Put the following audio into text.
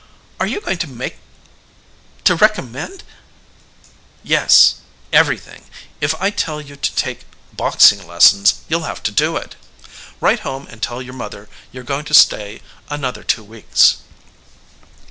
"Are you going to make to recommend " "Yes, everything. If I tell you to take boxing lessons you'll have to do it. Write home and tell your mother you're going' to stay another two weeks.